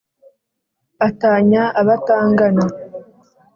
Atanya abatangana